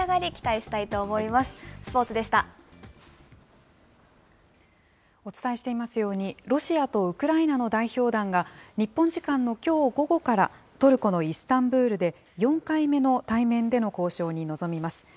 お伝えしていますように、ロシアとウクライナの代表団が、日本時間のきょう午後から、トルコのイスタンブールで、４回目の対面での交渉に臨みます。